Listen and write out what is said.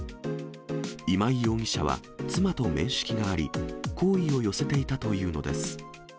今井容疑者は妻と面識があり、好意を寄せていたというのです。